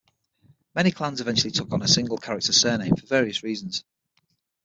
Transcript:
Many clans eventually took on a single-character surname for various reasons.